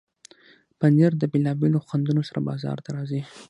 پنېر د بیلابیلو خوندونو سره بازار ته راځي.